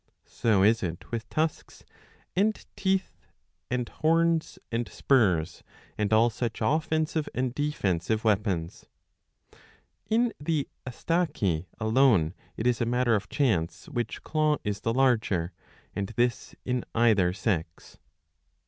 So is it with tusks, and teeth, and horns, and spurs, and all such offensive and defensive weapons.^ In the Astaci alone it is a matter of chance which claw is the larger, and this in either sex.